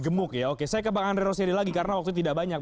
gemuk ya oke saya ke bang andre rosyadi lagi karena waktu tidak banyak